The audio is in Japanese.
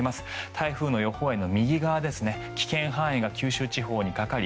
台風の予報円の右側危険半円が九州地方にかかり